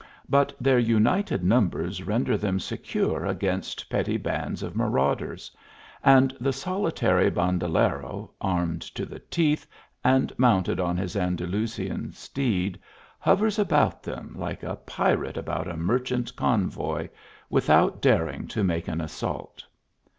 But their united numbers render them secure against petty bands of marauders, and the solitary bancla jero. armed to the teeth, and mounted on his An dalusian steed, hovers about them, like a pirate about a merchant convoy, without daring to make an assault.